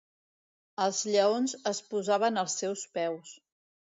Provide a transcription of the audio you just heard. Els lleons es posaven als seus peus.